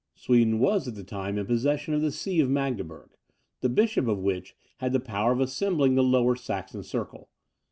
Sweden was at the time in possession of the See of Magdeburg, the bishop of which had the power of assembling the Lower Saxon circle.